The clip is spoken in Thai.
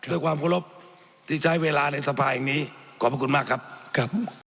ด้วยความภูมิลบที่ใช้เวลาในสภาอย่างนี้ขอบพระคุณมากครับ